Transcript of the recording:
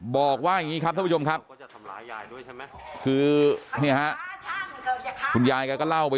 บอกว่าอย่างนี้ครับท่านผู้ชมครับคือคุณยายก็เล่าไป